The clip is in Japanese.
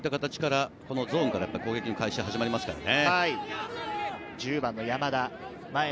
ゾーンから攻撃が始まりますからね。